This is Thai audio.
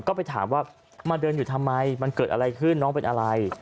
ก็ไปถามว่ามาเดินอยู่ทำไมมันเกิดอะไรขึ้นน้องเป็นอะไร